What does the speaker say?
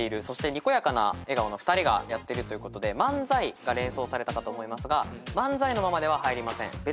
そして笑顔の２人がということで漫才が連想されたかと思いますが漫才のままでは入りません。